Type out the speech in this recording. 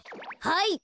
はい！